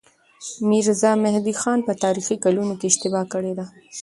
ميرزا مهدي خان په تاريخي کلونو کې اشتباه کړې ده.